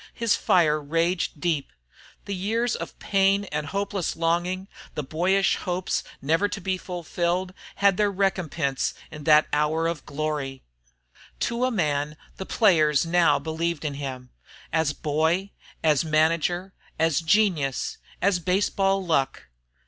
His fire raged deep. The years of pain and hopeless longing, the boyish hopes never to be fulfilled, had their recompense in that hour of glory. For victory shone in his piercing eyes. To a man, the players now believed in him, as boy, as manager, as genius, as baseball luck.